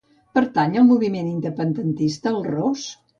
Pertany al moviment independentista el Ros?